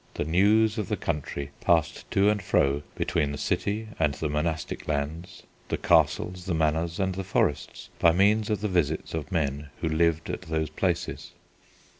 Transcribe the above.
The news of the country passed to and fro between the city and the monastic lands, the castles, the manors, and the forests by means of the visits of men who lived at those places.